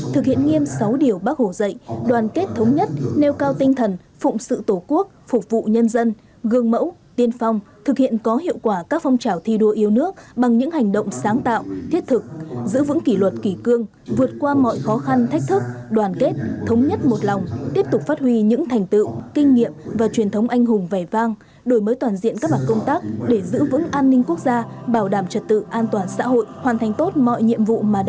thực hiện nghiêm sáu điều bác hồ dạy đoàn kết thống nhất nêu cao tinh thần phụng sự tổ quốc phục vụ nhân dân gương mẫu tiên phong thực hiện có hiệu quả các phong trào thi đua yêu nước bằng những hành động sáng tạo thiết thực giữ vững kỷ luật kỷ cương vượt qua mọi khó khăn thách thức đoàn kết thống nhất một lòng tiếp tục phát huy những thành tựu kinh nghiệm và truyền thống anh hùng vẻ vang đổi mới toàn diện các mặt công tác để giữ vững an ninh quốc gia bảo đảm trật tự an toàn xã hội hoàn thành tốt mọi nhiệm